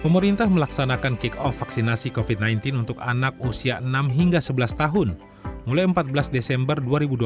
pemerintah melaksanakan kick off vaksinasi covid sembilan belas untuk anak usia enam hingga sebelas tahun mulai empat belas desember dua ribu dua puluh